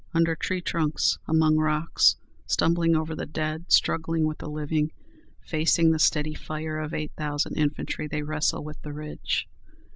Under tree trunks, among rocks, stumbling over the dead, struggling with the living, facing the steady fire of eight thousand infantry, they wrestle with the Ridge....